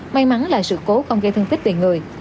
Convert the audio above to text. may mắn là sự cố không gây thương tích về người